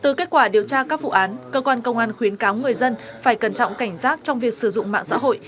từ kết quả điều tra các vụ án cơ quan công an khuyến cáo người dân phải cẩn trọng cảnh giác trong việc sử dụng mạng xã hội